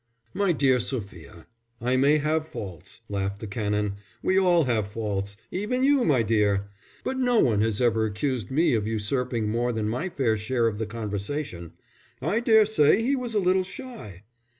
"My dear Sophia, I may have faults," laughed the Canon. "We all have faults even you, my dear. But no one has ever accused me of usurping more than my fair share of the conversation. I daresay he was a little shy."